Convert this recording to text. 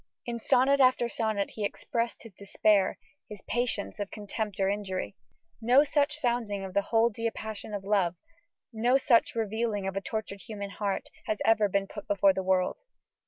In sonnet after sonnet he expressed his despair, his patience of contempt or injury. No such sounding of the whole diapason of love no such revealing of a tortured human heart has ever been put before the world.